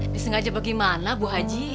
disengaja bagaimana bu haji